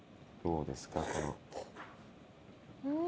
うん。